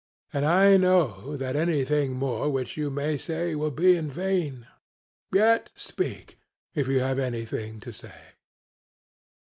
And I know that anything more which you may say will be vain. Yet speak, if you have anything to say.